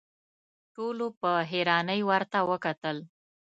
ټولو په حيرانۍ ورته وکتل.